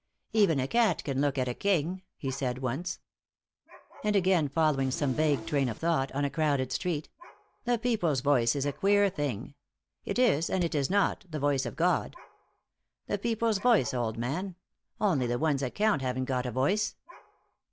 "Even a cat can look at a king," he said once. And again, following some vague train of thought, on a crowded street: "The People's voice is a queer thing. 'It is, and it is not, the voice of God.' The people's voice, old man. Only the ones that count haven't got a voice."